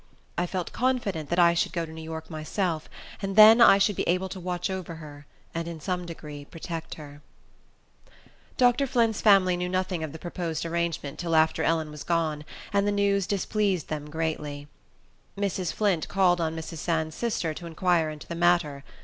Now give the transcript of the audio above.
I felt confident that I should go to New York myself; and then I should be able to watch over her, and in some degree protect her. Dr. Flint's family knew nothing of the proposed arrangement till after Ellen was gone, and the news displeased them greatly. Mrs. Flint called on Mrs. Sands's sister to inquire into the matter.